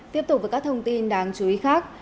tiếp tục với các thông tin đáng chú ý khác